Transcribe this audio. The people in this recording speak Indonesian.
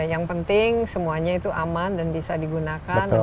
yang penting semuanya itu aman dan bisa digunakan